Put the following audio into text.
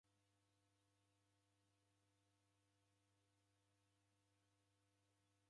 W'enekwa mori ghumweri w'ifume agho maaghi.